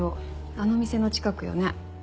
あの店の近くよね。